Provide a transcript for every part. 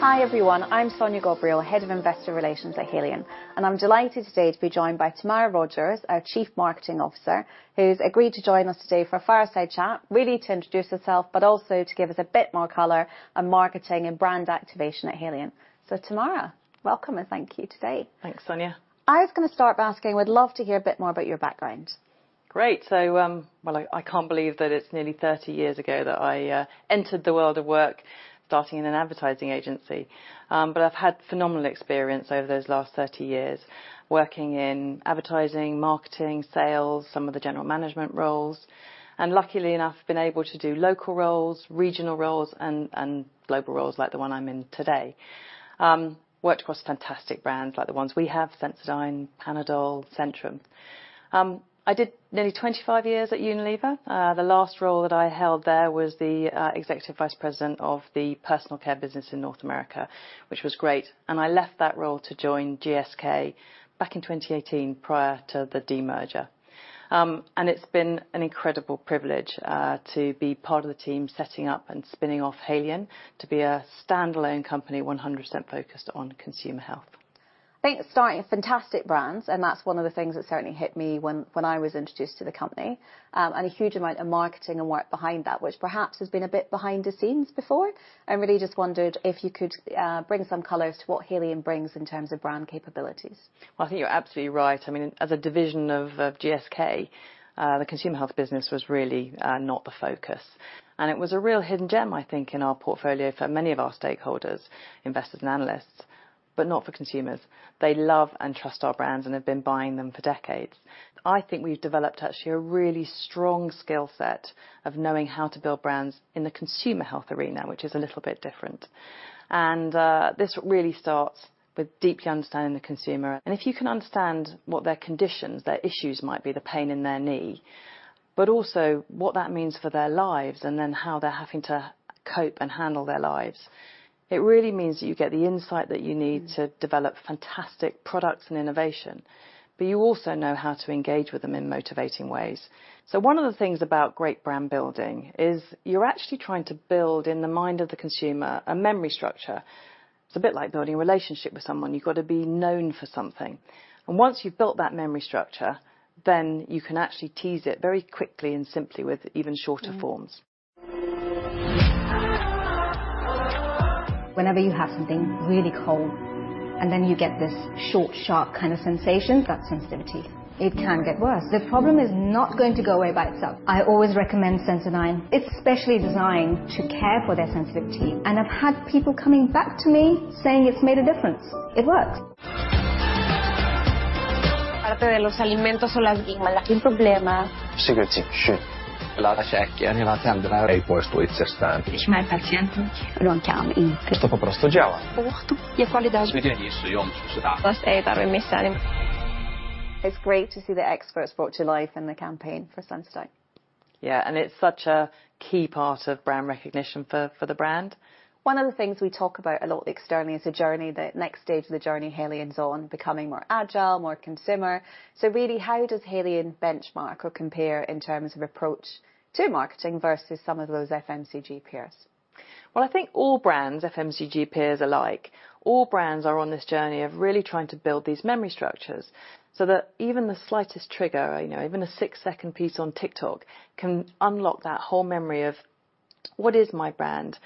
Hi, everyone. I'm Sonia Gabriel, Head of Investor Relations at Haleon, and I'm delighted today to be joined by Tamara Rogers, our Chief Marketing Officer, who's agreed to join us today for a fireside chat, really to introduce herself, but also to give us a bit more color on marketing and brand activation at Haleon. So, Tamara, welcome, and thank you today. Thanks, Sonia. I was gonna start by asking, we'd love to hear a bit more about your background. Great. So, well, I can't believe that it's nearly 30 years ago that I entered the world of work, starting in an advertising agency. But I've had phenomenal experience over those last 30 years, working in advertising, marketing, sales, some of the general management roles, and luckily enough, been able to do local roles, regional roles, and global roles, like the one I'm in today. Worked across fantastic brands like the ones we have, Sensodyne, Panadol, Centrum. I did nearly 25 years at Unilever. The last role that I held there was the Executive Vice President of the Personal Care business in North America, which was great, and I left that role to join GSK back in 2018 prior to the demerger. It's been an incredible privilege to be part of the team setting up and spinning off Haleon to be a standalone company 100% focused on consumer health. Thanks. Starting with fantastic brands, and that's one of the things that certainly hit me when I was introduced to the company. And a huge amount of marketing and work behind that, which perhaps has been a bit behind the scenes before. I really just wondered if you could bring some color as to what Haleon brings in terms of brand capabilities. I think you're absolutely right. I mean, as a division of GSK, the consumer health business was really not the focus, and it was a real hidden gem, I think, in our portfolio for many of our stakeholders, investors, and analysts, but not for consumers. They love and trust our brands and have been buying them for decades. I think we've developed actually a really strong skill set of knowing how to build brands in the consumer health arena, which is a little bit different, and this really starts with deeply understanding the consumer, and if you can understand what their conditions, their issues might be, the pain in their knee, but also what that means for their lives and then how they're having to cope and handle their lives, it really means that you get the insight that you need- Mm. To develop fantastic products and innovation, but you also know how to engage with them in motivating ways. So one of the things about great brand building is you're actually trying to build, in the mind of the consumer, a memory structure. It's a bit like building a relationship with someone. You've got to be known for something. And once you've built that memory structure, then you can actually tease it very quickly and simply with even shorter forms. Mm. Whenever you have something really cold, and then you get this short, sharp kind of sensation, that's sensitivity. It can get worse. The problem is not going to go away by itself. I always recommend Sensodyne. It's specially designed to care for their sensitivity, and I've had people coming back to me saying it's made a difference. It works. It's great to see the experts brought to life in the campaign for Sensodyne. Yeah, and it's such a key part of brand recognition for the brand. One of the things we talk about a lot externally is the journey, the next stage of the journey Haleon is on, becoming more agile, more consumer. So really, how does Haleon benchmark or compare in terms of approach to marketing versus some of those FMCG peers? I think all brands, FMCG peers alike, all brands are on this journey of really trying to build these memory structures so that even the slightest trigger, you know, even a six-second piece on TikTok, can unlock that whole memory of: What is my brand?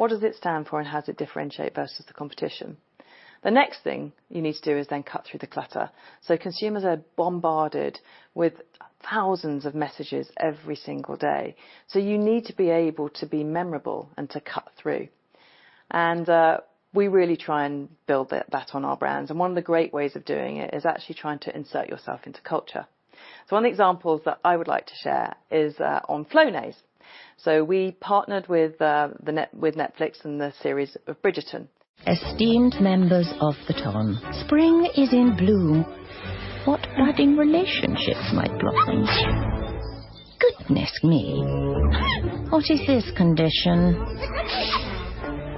What does it stand for, and how does it differentiate versus the competition? The next thing you need to do is then cut through the clutter. So consumers are bombarded with thousands of messages every single day, so you need to be able to be memorable and to cut through. And we really try and build that on our brands, and one of the great ways of doing it is actually trying to insert yourself into culture. So one of the examples that I would like to share is on Flonase. So we partnered with Netflix and the series of Bridgerton. Esteemed members of the ton, spring is in bloom. What budding relationships might blossom? Goodness me! What is his condition?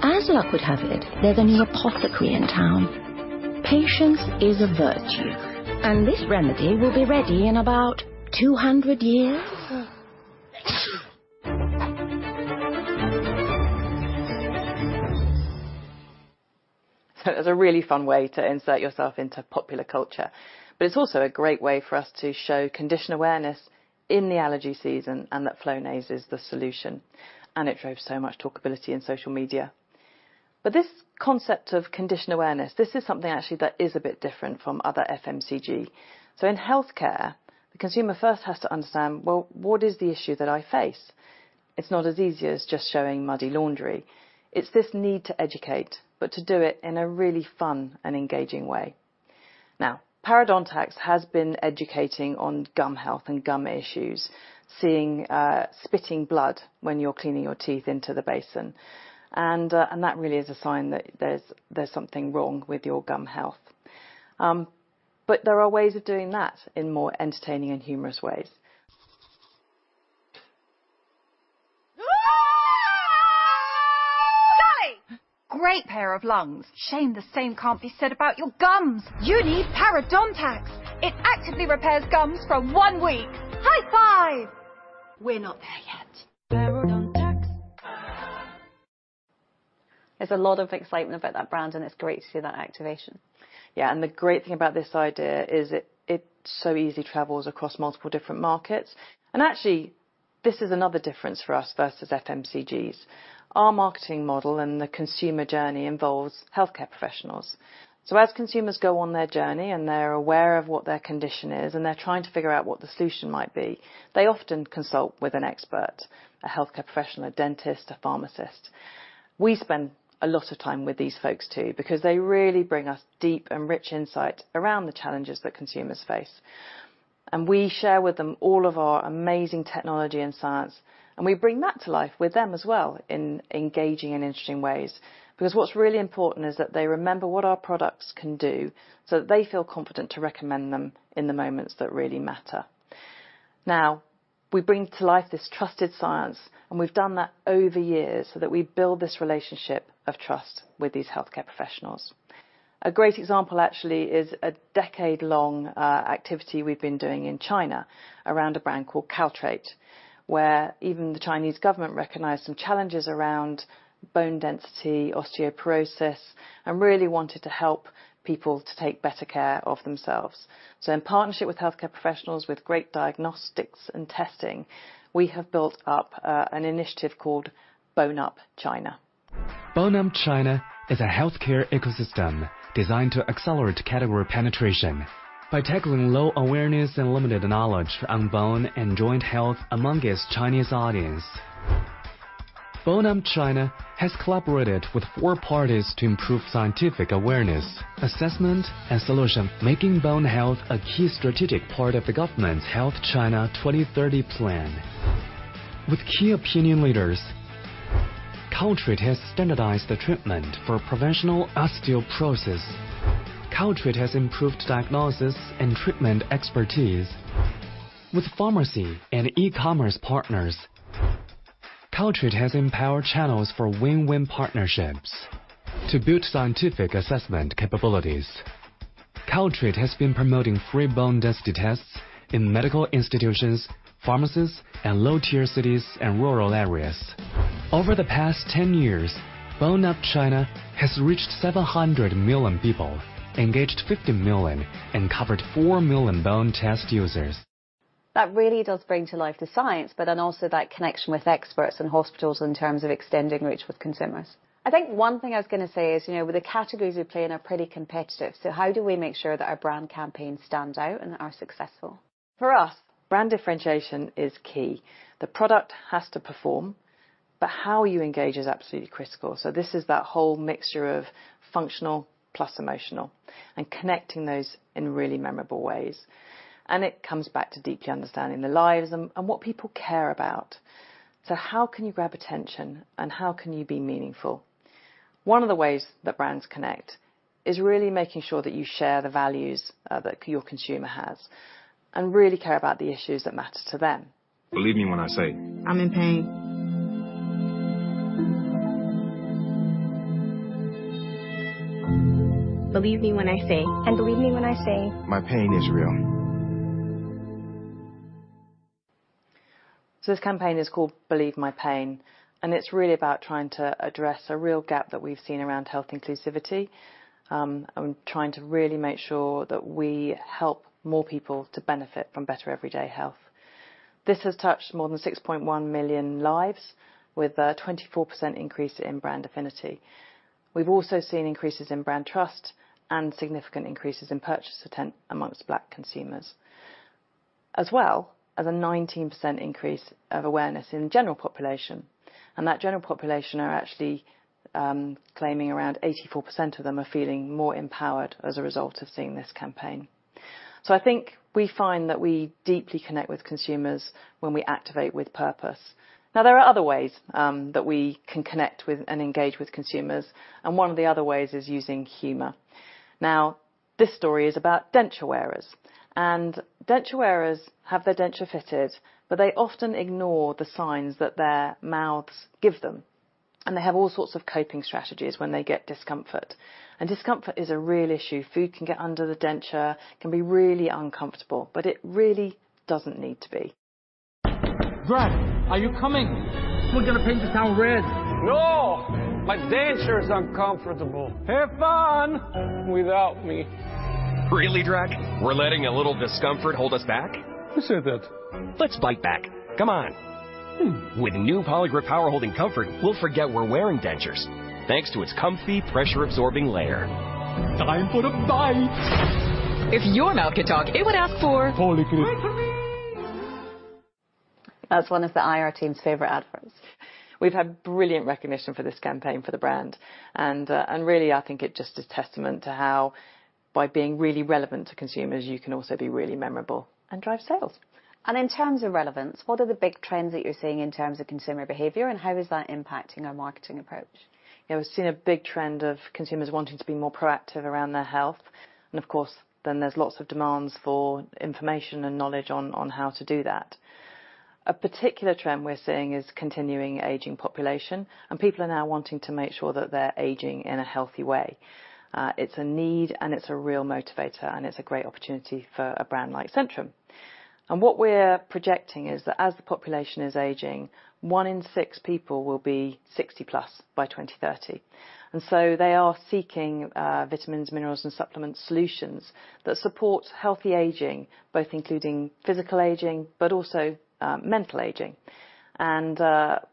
As luck would have it, there's a new apothecary in town. Patience is a virtue, and this remedy will be ready in about 200 years. It was a really fun way to insert yourself into popular culture, but it's also a great way for us to show condition awareness in the allergy season, and that Flonase is the solution, and it drove so much talkability in social media. But this concept of condition awareness, this is something actually that is a bit different from other FMCG. In healthcare, the consumer first has to understand, well, what is the issue that I face? It's not as easy as just showing muddy laundry. It's this need to educate, but to do it in a really fun and engaging way. Now, Parodontax has been educating on gum health and gum issues, seeing spitting blood when you're cleaning your teeth into the basin. And that really is a sign that there's something wrong with your gum health. But there are ways of doing that in more entertaining and humorous ways. Sally! Great pair of lungs. Shame the same can't be said about your gums. You need Parodontax. It actively repairs gums from one week. High five.... We're not there yet. Durex. There's a lot of excitement about that brand, and it's great to see that activation. Yeah, and the great thing about this idea is it's so easy it travels across multiple different markets. Actually, this is another difference for us versus FMCGs. Our marketing model and the consumer journey involves healthcare professionals. So as consumers go on their journey, and they're aware of what their condition is, and they're trying to figure out what the solution might be, they often consult with an expert, a healthcare professional, a dentist, a pharmacist. We spend a lot of time with these folks, too, because they really bring us deep and rich insight around the challenges that consumers face. And we share with them all of our amazing technology and science, and we bring that to life with them as well in engaging and interesting ways. Because what's really important is that they remember what our products can do, so that they feel confident to recommend them in the moments that really matter. Now, we bring to life this trusted science, and we've done that over years, so that we build this relationship of trust with these healthcare professionals. A great example, actually, is a decade-long activity we've been doing in China around a brand called Caltrate, where even the Chinese government recognized some challenges around bone density, osteoporosis, and really wanted to help people to take better care of themselves. So in partnership with healthcare professionals with great diagnostics and testing, we have built up an initiative called Bone Up China. Bone Up China is a healthcare ecosystem designed to accelerate category penetration by tackling low awareness and limited knowledge on bone and joint health among Chinese audience. Bone Up China has collaborated with four parties to improve scientific awareness, assessment, and solution, making bone health a key strategic part of the government's Health China 2030 plan. With key opinion leaders, Caltrate has standardized the treatment for professional osteoporosis. Caltrate has improved diagnosis and treatment expertise. With pharmacy and e-commerce partners, Caltrate has empowered channels for win-win partnerships. To build scientific assessment capabilities, Caltrate has been promoting free bone density tests in medical institutions, pharmacies, and low-tier cities and rural areas. Over the past 10 years, Bone Up China has reached 700 million people, engaged 50 million, and covered 4 million bone test users. That really does bring to life the science, but then also that connection with experts and hospitals in terms of extending reach with consumers. I think one thing I was going to say is, you know, the categories we play in are pretty competitive, so how do we make sure that our brand campaigns stand out and are successful? For us, brand differentiation is key. The product has to perform, but how you engage is absolutely critical, so this is that whole mixture of functional plus emotional and connecting those in really memorable ways, and it comes back to deeply understanding the lives and what people care about, so how can you grab attention, and how can you be meaningful? One of the ways that brands connect is really making sure that you share the values that your consumer has and really care about the issues that matter to them. Believe me when I say- I'm in pain. Believe me when I say my pain is real. So this campaign is called Believe My Pain, and it's really about trying to address a real gap that we've seen around health inclusivity, and trying to really make sure that we help more people to benefit from better everyday health. This has touched more than 6.1 million lives, with a 24% increase in brand affinity. We've also seen increases in brand trust and significant increases in purchase intent among Black consumers, as well as a 19% increase of awareness in the general population, and that general population are actually claiming around 84% of them are feeling more empowered as a result of seeing this campaign. So I think we find that we deeply connect with consumers when we activate with purpose. Now, there are other ways that we can connect with and engage with consumers, and one of the other ways is using humor. Now, this story is about denture wearers, and denture wearers have their denture fitted, but they often ignore the signs that their mouths give them, and they have all sorts of coping strategies when they get discomfort. And discomfort is a real issue. Food can get under the denture, can be really uncomfortable, but it really doesn't need to be. Drac, are you coming? We're gonna paint the town red! No, my denture is uncomfortable. Have fun without me. Really, Drac? We're letting a little discomfort hold us back? Who said that? Let's bite back. Come on. Hmm. With new Poligrip power holding comfort, we'll forget we're wearing dentures, thanks to its comfy, pressure-absorbing layer. Time for a bite. If your mouth could talk, it would ask for- Poligrip. Wait for me! That's one of the IR team's favorite adverts. We've had brilliant recognition for this campaign for the brand, and really, I think it just is testament to how by being really relevant to consumers, you can also be really memorable and drive sales. In terms of relevance, what are the big trends that you're seeing in terms of consumer behavior, and how is that impacting our marketing approach? You know, we've seen a big trend of consumers wanting to be more proactive around their health, and of course, then there's lots of demands for information and knowledge on how to do that. A particular trend we're seeing is continuing aging population, and people are now wanting to make sure that they're aging in a healthy way. It's a need, and it's a real motivator, and it's a great opportunity for a brand like Centrum, and what we're projecting is that as the population is aging, one in six people will be sixty plus by 2030, and so they are seeking vitamins, minerals, and supplement solutions that support healthy aging, both including physical aging, but also mental aging.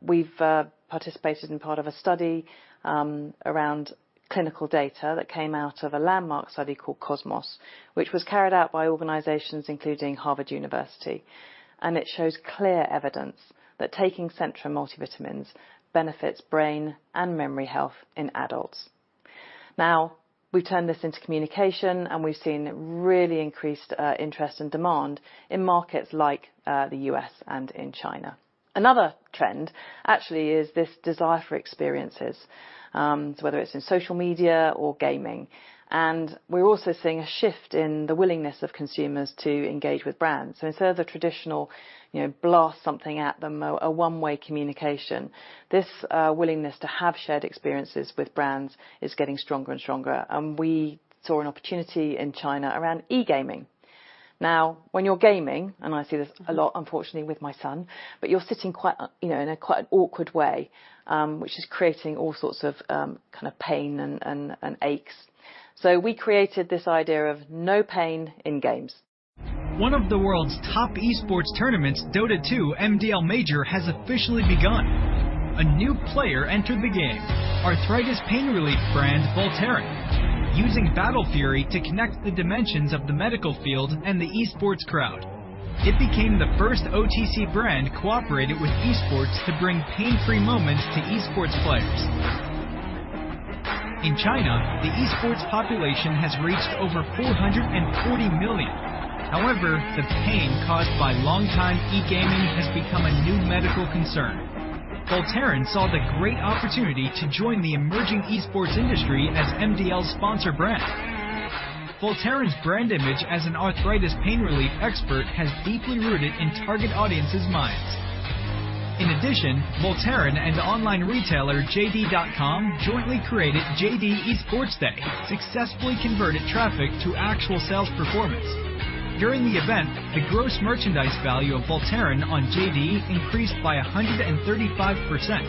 We've participated in part of a study around clinical data that came out of a landmark study called COSMOS, which was carried out by organizations including Harvard University, and it shows clear evidence that taking Centrum multivitamins benefits brain and memory health in adults. Now, we've turned this into communication, and we've seen a really increased interest and demand in markets like the U.S. and in China. Another trend actually is this desire for experiences, so whether it's in social media or gaming. We're also seeing a shift in the willingness of consumers to engage with brands. Instead of the traditional, you know, blast something at them, a one-way communication, this willingness to have shared experiences with brands is getting stronger and stronger, and we saw an opportunity in China around e-gaming. Now, when you're gaming, and I see this a lot, unfortunately, with my son, but you're sitting quite, you know, in a quite awkward way, which is creating all sorts of kind of pain and aches. So we created this idea of No Pain in Games. One of the world's top e-sports tournaments, Dota 2 MDL Major, has officially begun. A new player entered the game, arthritis pain relief brand, Voltaren. Using battle fury to connect the dimensions of the medical field and the e-sports crowd, it became the first OTC brand cooperated with e-sports to bring pain-free moments to e-sports players. In China, the e-sports population has reached over 440 million. However, the pain caused by longtime E-gaming has become a new medical concern. Voltaren saw the great opportunity to join the emerging e-sports industry as MDL's sponsor brand. Voltaren's brand image as an arthritis pain relief expert has deeply rooted in target audiences' minds. In addition, Voltaren and online retailer JD.com jointly created JD Esports Day, successfully converted traffic to actual sales performance. During the event, the gross merchandise value of Voltaren on JD increased by 135%.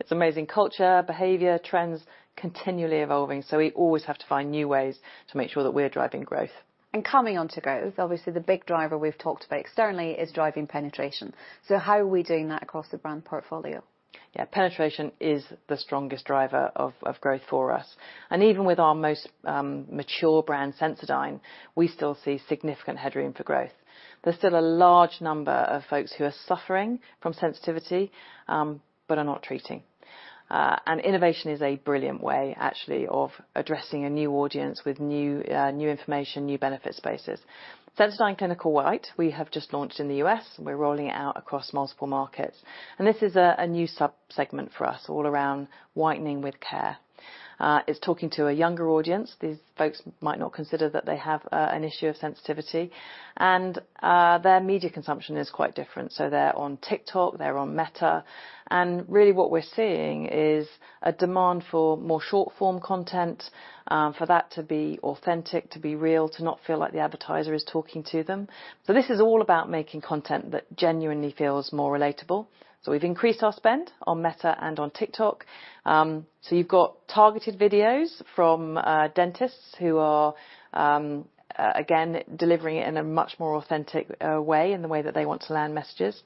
It's amazing. Culture, behavior, trends continually evolving, so we always have to find new ways to make sure that we're driving growth. Coming onto growth, obviously, the big driver we've talked about externally is driving penetration. How are we doing that across the brand portfolio? Yeah. Penetration is the strongest driver of growth for us, and even with our most mature brand, Sensodyne, we still see significant headroom for growth. There's still a large number of folks who are suffering from sensitivity, but are not treating. And innovation is a brilliant way, actually, of addressing a new audience with new information, new benefit spaces. Sensodyne Clinical White, we have just launched in the U.S., and we're rolling it out across multiple markets, and this is a new subsegment for us, all around whitening with care. It's talking to a younger audience. These folks might not consider that they have an issue of sensitivity, and their media consumption is quite different. They're on TikTok, they're on Meta, and really what we're seeing is a demand for more short-form content for that to be authentic, to be real, to not feel like the advertiser is talking to them. This is all about making content that genuinely feels more relatable. We've increased our spend on Meta and on TikTok. You've got targeted videos from dentists who are again delivering it in a much more authentic way, in the way that they want to land messages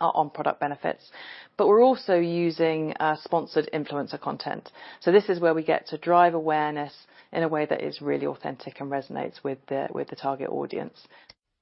on product benefits, but we're also using sponsored influencer content. This is where we get to drive awareness in a way that is really authentic and resonates with the target audience.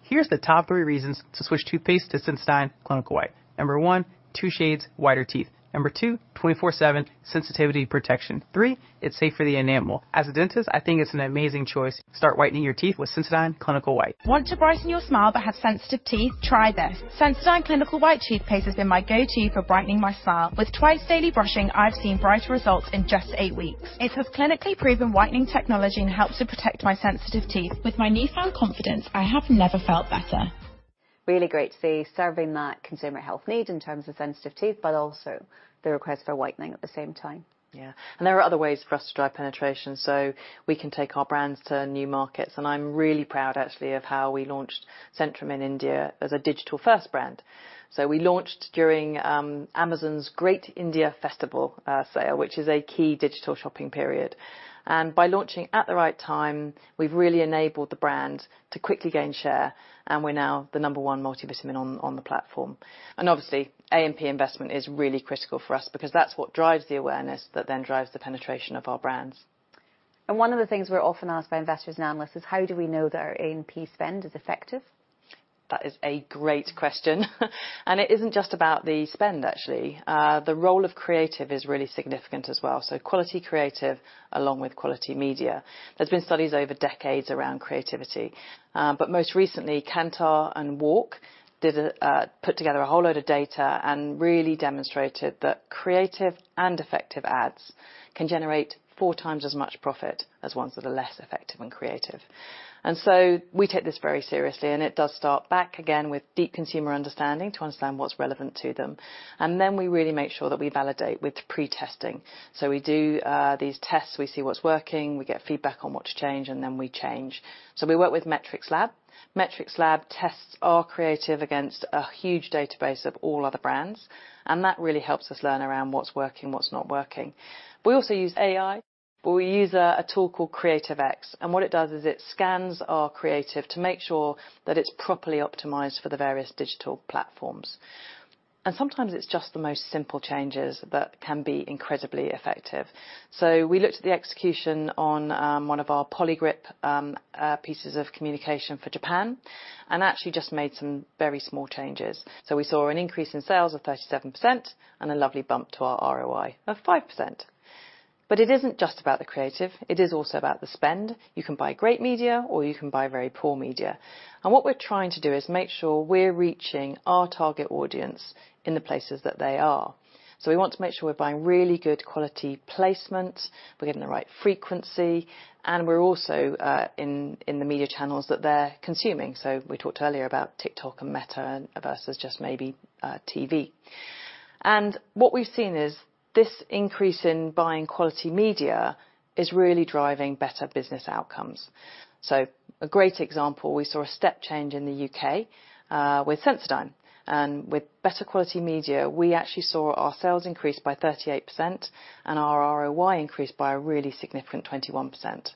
Here's the top three reasons to switch toothpaste to Sensodyne Clinical White. Number one, two shades whiter teeth. Number two, twenty-four seven sensitivity protection. Three, it's safe for the enamel. As a dentist, I think it's an amazing choice. Start whitening your teeth with Sensodyne Clinical White. Want to brighten your smile but have sensitive teeth? Try this. Sensodyne Clinical White toothpaste has been my go-to for brightening my smile. With twice daily brushing, I've seen brighter results in just eight weeks. It has clinically proven whitening technology and helps to protect my sensitive teeth. With my newfound confidence, I have never felt better. Really great to see serving that consumer health need in terms of sensitive teeth, but also the request for whitening at the same time. Yeah, and there are other ways for us to drive penetration, so we can take our brands to new markets, and I'm really proud, actually, of how we launched Centrum in India as a digital-first brand. So we launched during Amazon's Great Indian Festival sale, which is a key digital shopping period. And by launching at the right time, we've really enabled the brand to quickly gain share, and we're now the number one multivitamin on the platform. And obviously, A&P investment is really critical for us because that's what drives the awareness that then drives the penetration of our brands. One of the things we're often asked by investors and analysts is, how do we know that our A&P spend is effective? That is a great question, and it isn't just about the spend, actually. The role of creative is really significant as well, so quality creative along with quality media. There's been studies over decades around creativity, but most recently, Kantar and WARC did put together a whole load of data and really demonstrated that creative and effective ads can generate four times as much profit as ones that are less effective when creative, and so we take this very seriously, and it does start back again with deep consumer understanding, to understand what's relevant to them, and then we really make sure that we validate with pre-testing, so we do these tests, we see what's working, we get feedback on what to change, and then we change, so we work with MetrixLab. MetrixLab tests our creative against a huge database of all other brands, and that really helps us learn around what's working, what's not working. We also use a tool called CreativeX, and what it does is it scans our creative to make sure that it's properly optimized for the various digital platforms. Sometimes it's just the most simple changes that can be incredibly effective. We looked at the execution on one of our Poligrip pieces of communication for Japan, and actually just made some very small changes. We saw an increase in sales of 37% and a lovely bump to our ROI of 5%. It isn't just about the creative; it is also about the spend. You can buy great media, or you can buy very poor media, and what we're trying to do is make sure we're reaching our target audience in the places that they are. So we want to make sure we're buying really good quality placement, we're getting the right frequency, and we're also in the media channels that they're consuming. We talked earlier about TikTok and Meta versus just maybe TV. What we've seen is this increase in buying quality media is really driving better business outcomes. A great example, we saw a step change in the UK with Sensodyne, and with better quality media, we actually saw our sales increase by 38% and our ROI increase by a really significant 21%.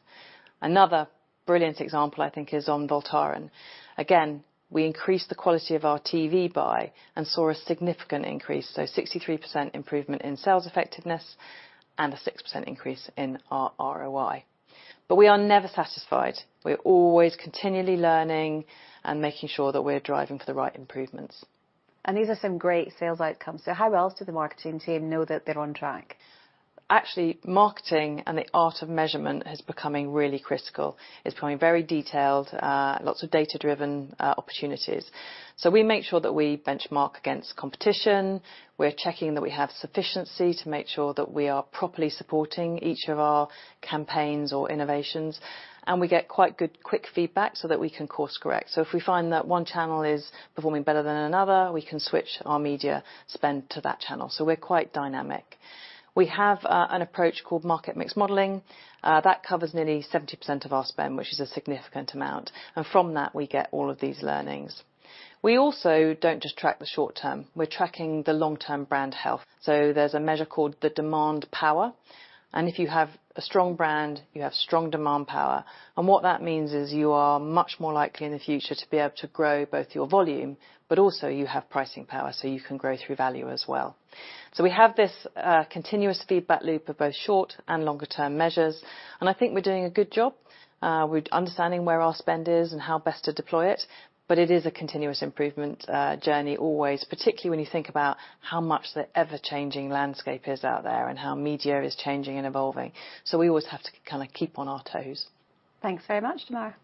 Another brilliant example, I think, is on Voltaren. Again, we increased the quality of our TV buy and saw a significant increase, so 63% improvement in sales effectiveness and a 6% increase in our ROI. But we are never satisfied. We're always continually learning and making sure that we're driving for the right improvements. These are some great sales outcomes. How else do the marketing team know that they're on track? Actually, marketing and the art of measurement is becoming really critical. It's becoming very detailed, lots of data-driven, opportunities. So we make sure that we benchmark against competition. We're checking that we have sufficiency to make sure that we are properly supporting each of our campaigns or innovations, and we get quite good, quick feedback so that we can course correct. So if we find that one channel is performing better than another, we can switch our media spend to that channel, so we're quite dynamic. We have, an approach called market mix modeling. That covers nearly 70% of our spend, which is a significant amount, and from that, we get all of these learnings. We also don't just track the short term, we're tracking the long-term brand health, so there's a measure called the Demand Power, and if you have a strong brand, you have strong demand power. And what that means is you are much more likely in the future to be able to grow both your volume, but also you have pricing power, so you can grow through value as well. So we have this continuous feedback loop of both short and longer term measures, and I think we're doing a good job with understanding where our spend is and how best to deploy it, but it is a continuous improvement journey always, particularly when you think about how much the ever-changing landscape is out there and how media is changing and evolving. So we always have to kind of keep on our toes. Thanks very much, Tamara.